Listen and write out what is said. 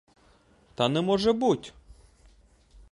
Та не може буть?!